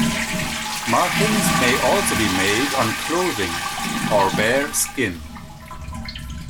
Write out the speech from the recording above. Markings may also be made on clothing or bare skin.